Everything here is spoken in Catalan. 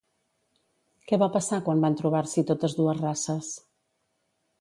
Què va passar quan van trobar-s'hi totes dues races?